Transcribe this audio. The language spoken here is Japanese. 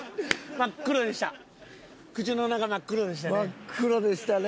真っ黒でしたね。